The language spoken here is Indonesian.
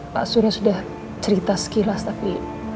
pak surya sudah cerita sekilas tapi